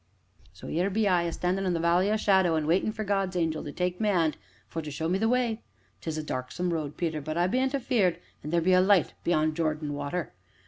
"So 'ere be I, a standin' in the Valley o' the Shadow, an' waitin' for God's Angel to take my 'and for to show me the way. 'Tis a darksome road, Peter, but I bean't afeared, an' there be a light beyond Jordan water.